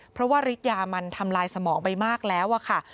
เพราะว่าฤทธิยามันทำลายสมองไปมากแล้วค่ะ